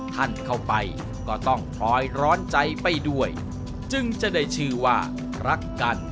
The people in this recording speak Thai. ท่านเข้าไปก็ต้องคอยร้อนใจไปด้วยจึงจะได้ชื่อว่ารักกัน